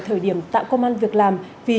thời điểm tạo công an việc làm vì